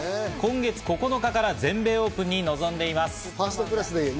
今月９日から全米オープンに臨んでいます。